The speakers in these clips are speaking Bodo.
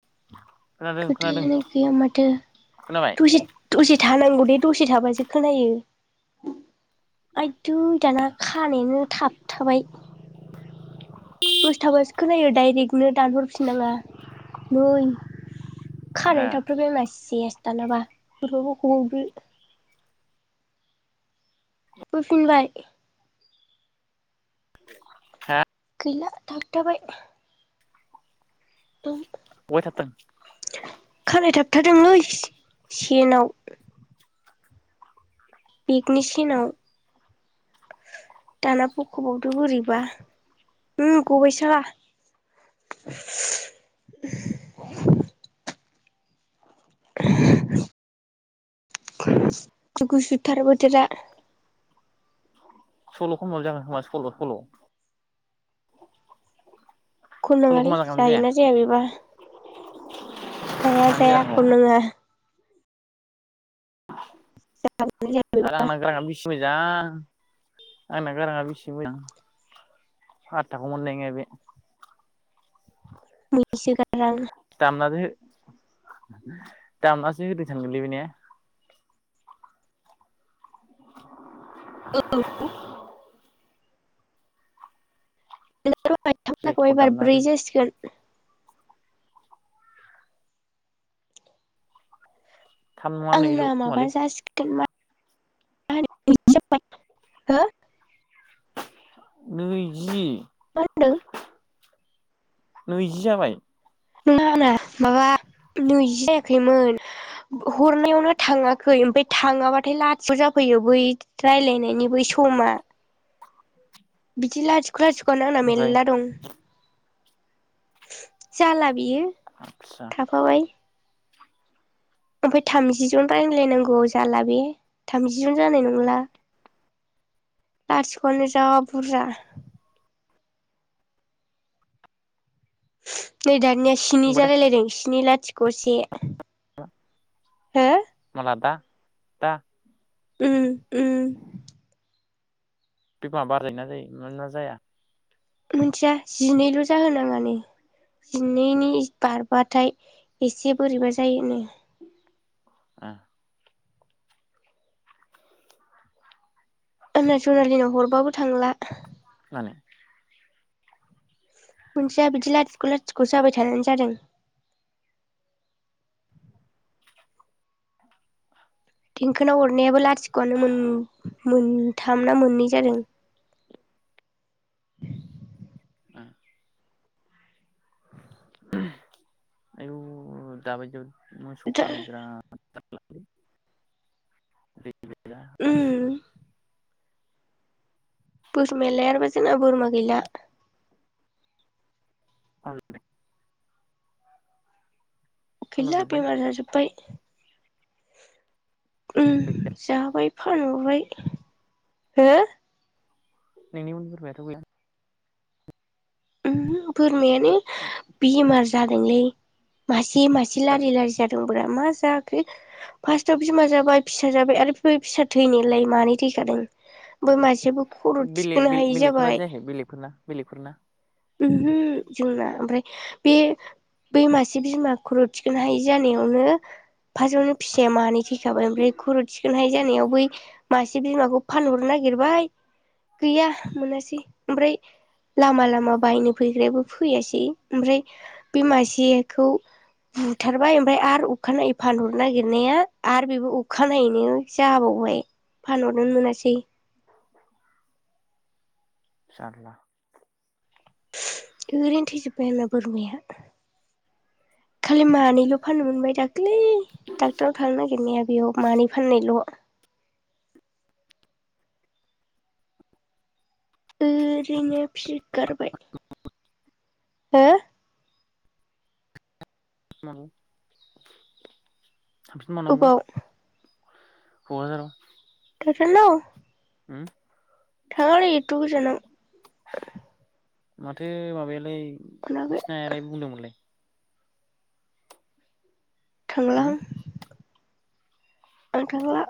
[inaudible] खोनादों खोथायानो गैया माथो खोनाबाय दसे दसे थानांगौ दे। दसे थाबासो खोनायो आयदै दाना खानायानो थाबथाबाय। दसे थाबासो खोनायो डायरेक नो दानहरफिननाङा नै ए खानायानो थाब थाबाय आंना सेस दानाबा होहरबा गबावदो फैफिनबाय। हा? गैला थाबथाबाय। ओं बहाय थाबथादों खानाय थाबथादोंलै। सि-सेनाव बिकनि सिनाव दाना बख'बावदो बोरैबा ओम गबाइ साला। गुसुथार बोथोरा सल' खनबाबो जागोन खोमा सल' सल'। सल'खौ खननाङालै मा जागोन जायोना जाया बेबा जाया मानो जाया नंगौ खननाङा। [inaudible] आरो आंना गाराङा बेसे मोजां आंना गाराङा बेसे मोजां। फातथाखौनो मोननाय नङा बे। मैसो गारां। दामनादोहो दामनासो होदो सानगोनलै बे ने। औ। [inaudible] र'हाय थावनाखौ रेकर्ड एबार दामना ब्रै होदों जासिगोन। थाम नङा नैल' आंना खोमालै माबा जासिगोन मा [unintelligible] नैजि होनदों नैजि जाबाय। नङाना माबा नैजि जायाखैमोन। बक हरनायावनो थाङाखै ओमफाय थाङाबाथाय लात जाफैयो बैद रायलायनायनि बै समा बिदि लाथिख क्लास कना आंना ओमफ्राय मेल्ला दं। जालाब बियो आदसा थाफाबाय। ओमफाय थामजि जन रायलायनांगौ जाला बे थामजि जन जानाय नंला लाथिख'आनो जा बुरजा। नै दानिया सिनि होनबाथाय जालायलायदों। स्नि लाथिख' से हो [inaudible] माला दा दा उम उम बिफाङा बार्राय ना जायो ना जाया मिथिया जिनैल' जाहोनाङानो जिनैनि बारबाथाय एसे बोरैबा जायोनो आ आंना जनालिनाव हरबाबो थांला [inaudible] मोनसेया बिदि लाथिख' लाथिख'जाबाय थानानै जादों देंखोनाव अरनायाबो लाथिख'आनो मोनथाम ना मोननै जादों [inaudible] [unintelligible] मोसौ दा खानो बिराद [inaudible] उम [unintelligible] [unintelligible] ना बोरमा गैला औ गैला फानहरजोब्बाय बेमार जाजोबबाय ओम जाबाय फानहरबाय हो नोंनि उन बोरमायाथ' गैया ओमहो बोरमायानो बेमार जादोंलै मा सि मासे लारि लारि जादों मा जायाखै फार्स्टाव बिमा जाबाय फिसा जाबाय आरो बे फिसा थैनायलाय मानै थैखादों बै मासेखौ बेलेक बलेकफोरना जायाखै बेलेकफोरना बेलेकफोरना ओमहा जोंना ओमफ्राय बे बै मासे बिमा खर' थिखोन हायै जानायावनो फार्स्टआवनो फिसाया मानै थैखाबाय ओमफ्राय खर' थिखोनहायै जानायाव बै मासे बिमाखौ फानहरनो नागिरबाय गैया मोनासै ओमफ्राय लामा लामा बायनो फैग्रायाबो फैयासै ओमफ्राय बे मासेखौ बुथारबाय ओमफ्राय आरो अखानायै फानहरनो नागिरनाया आरो बेबो अखानायैनो जाबावबाय फानहरोन मोनासै [inaudible] जारला ओरैनो थैजोब्बाय आोनना बोरमाया खालि मानैल' फाननो मोनबाय दाखलि दाख्लै दाक्टरनाव थांनो नागिरनायाबो बेयाव मानै फाननायल' ओरैनो फिगारबाय हो [unintelligible] थांफिन बावनांगौ अबाव ककराझाराव नोंसोरनाव हम थांआलै एथु गोजानाव माथो माबायालाय मोनाखै नोंसिनि आइआलाय बुंदोंमोनलाय थांलाआं आं थांला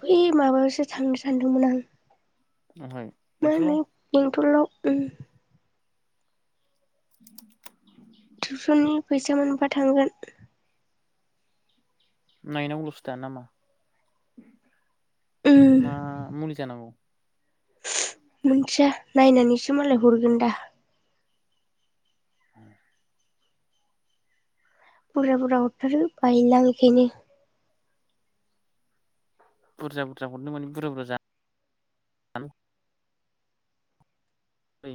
बै माबासो थांनो सानदोंमोन आं ओमफ्राय मा बेंथलाव होनो बेन्थलाव उम [unintelligible] टुस'ननि फैसा मोनबा थांगोन नायनांगौलसो दा नामा ना मा मुलि जानांगौ मिथिया नायनानैसो मालाय हरगोन दा औ बुरजा बुरजा हरथारो बायोलां बेखायनो बुरजा बुरजा हरनो माने बुरजा बुरजा जा ऐ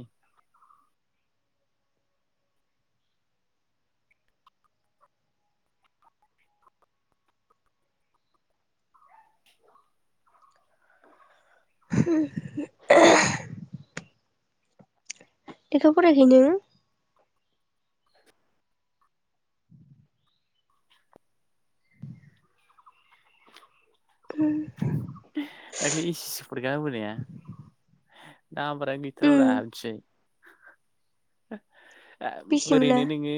हु लेखा फरायाखै नों उम दाख्लै एसि सि फरिखा होबोनाया नामबारानो उम गैथाराब्रा मोनथिबाय बिसिमोना ओरैनो नोङो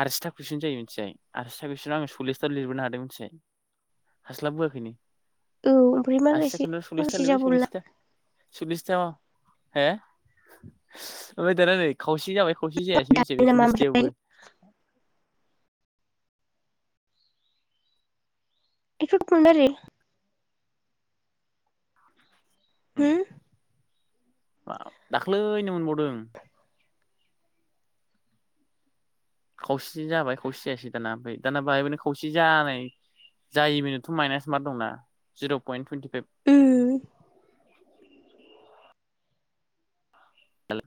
आरसिथा कुइसन जायो मिथिबाय आरसिथा कुइसनाव आं सल्लिसथा लिरबोनो हादों मिथिबाय हास्लाबबोआखैनो औ ओमफ्राय माखासे आसिथाखौनो सल्लिस माखासे थालायबाय जाबावला सल्लिसथा सल्लिसथा हो ओफ्राय दाना नै खावसे जाबाय खावसै जायासै दानो मोनथिबायना नामा ओमफ्राय सल्लिसथायावबो ए खन्द रै हम दाख्लैनो मोनबावदों खावसे जाबाय खावसे जायासै दाना ओमफ्राय दाना बाहाय बेनो खसे जानाय जायि बेनोथ' माइनास मा दंना जिर' पइन्ट टुइन्टि [inaudible] उम हेल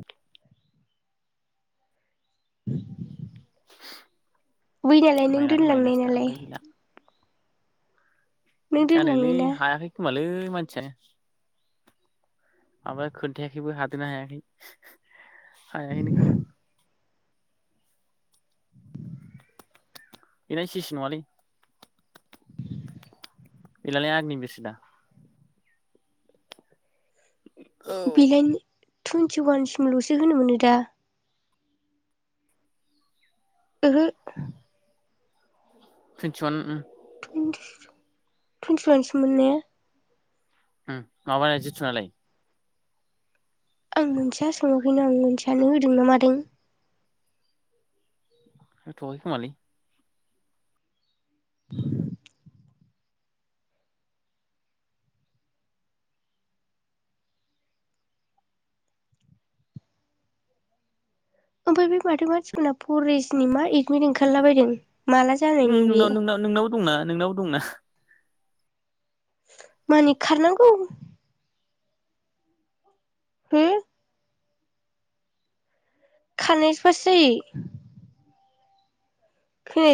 बै नालाय नों माइनास माइनास दोनलांनाय दा नालाय ओमफ्राय नों जानायलै दोनलांनाय ना हायाखै खोमालै मान माबा खोनन्थायाखैबो हादोंना हायाखै हाया खैनो खोमा। बेना सिसि नङालै। [unintelligible] बिलाइन टुवन्टि अवानसिमल'सो होनो मोनो दा। ओहो। फिन्सन उम। टुइन्टि अवानसो मोनो ने? होम माबानाय जिथुनालाय? आं मोनथिया सोङाखैनो आं मोनथियानो होदों ना मादों। [unintelligible] [unintelligible] ओमफाय बे माथो मानसिफोना फरेसनि मा एडमिट ओंखारला बायदों? [unintelligible] दंना? मानि खारनांगौ? होम खारनायासो फास जायो? [unintelligible]